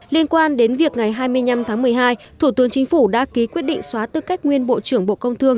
liên quan đến việc ngày hai mươi năm tháng một mươi hai thủ tướng chính phủ đã ký quyết định xóa tư cách nguyên bộ trưởng bộ công thương